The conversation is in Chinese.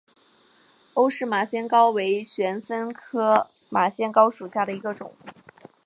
欧氏马先蒿为玄参科马先蒿属下的一个种。